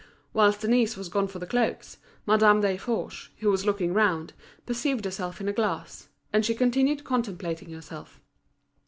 Whilst Denise was gone for the cloaks, Madame Desforges, who was looking round, perceived herself in a glass; and she continued contemplating herself.